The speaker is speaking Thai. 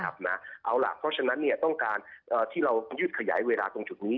เอาล่ะเพราะฉะนั้นต้องการที่เรายืดขยายเวลาตรงจุดนี้